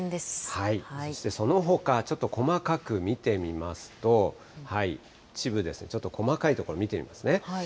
そして、そのほか、ちょっと細かく見てみますと、ですね、ちょっと細かい所を見てみますね。